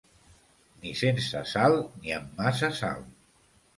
Ni sense sal ni amb massa sal.